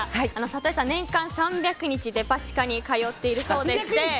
里井さん、年間３００日デパ地下に通っているそうでして